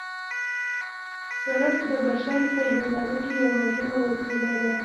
سرک د بشر په ژوندانه کې یوه مهمه وسیله ده